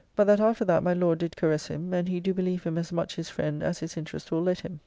But that after that my Lord did caress him, and he do believe him as much his friend as his interest will let him.